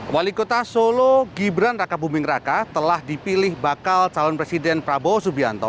wali kota solo gibran raka buming raka telah dipilih bakal calon presiden prabowo subianto